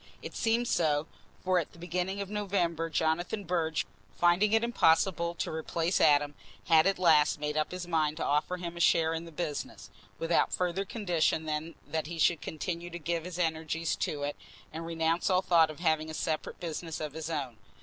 It seemed so, for at the beginning of November, Jonathan Burge, finding it impossible to replace Adam, had at last made up his mind to offer him a share in the business, without further condition than that he should continue to give his energies to it and renounce all thought of having a separate business of his own.